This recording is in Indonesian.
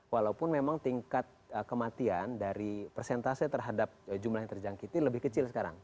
walaupun memang tingkat kematian dari persentase terhadap jumlah yang terjangkiti lebih kecil sekarang